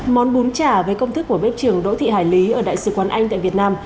món bún chả với công thức của bếp trưởng đỗ thị hải lý ở đại sứ quán anh tại việt nam